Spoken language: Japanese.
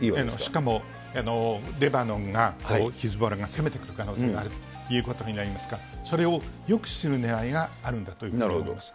しかもレバノンが、ヒズボラが攻めてくる可能性があるということになりますから、それを抑止するねらいがあるんだというふうに思います。